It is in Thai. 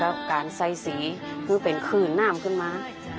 แล้วการใส่สีคือเป็นคลื่นน้ำขึ้นมา